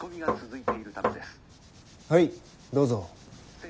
はいどうぞ。